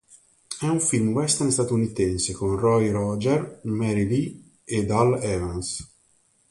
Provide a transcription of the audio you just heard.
È un film western statunitense con Roy Rogers, Mary Lee e Dale Evans.